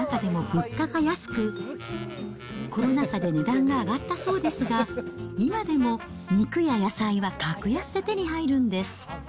ハンガリーはヨーロッパの中でも物価が安く、コロナ禍で値段が上がったそうですが、今でも肉や野菜は格安で手に入るんです。